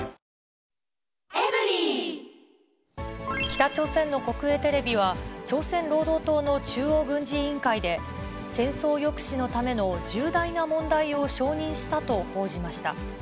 北朝鮮の国営テレビは、朝鮮労働党の中央軍事委員会で、戦争抑止のための重大な問題を承認したと報じました。